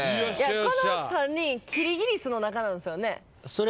この３人キリギリスの仲なんすよね？